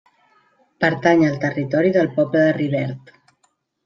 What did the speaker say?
Pertany al territori del poble de Rivert.